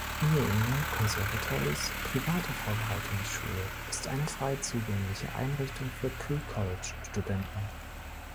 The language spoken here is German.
New England Conservatorys private Vorbereitungsschule ist eine frei zugängliche Einrichtung für Pre-College-Studenten.